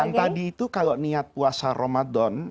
yang tadi itu kalo niat puasa ramadhan